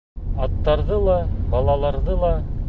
Аттарҙы ла, балаларҙы ла.